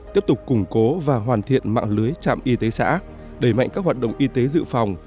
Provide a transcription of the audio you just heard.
tiếp tục củng cố và hoàn thiện mạng lưới trạm y tế xã đẩy mạnh các hoạt động y tế dự phòng